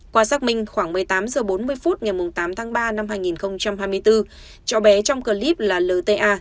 qua xác minh khoảng một mươi tám h bốn mươi phút ngày tám tháng ba năm hai nghìn hai mươi bốn cháu bé trong clip là lta